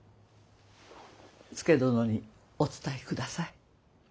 佐殿にお伝えください。